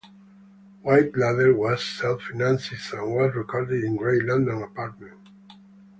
"White Ladder" was self-financed and was recorded in Gray's London apartment.